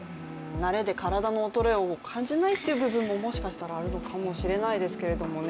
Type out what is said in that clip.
慣れで体の衰えを感じないという部分もあるかもしれないですけどね。